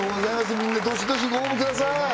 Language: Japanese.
みんなどしどしご応募ください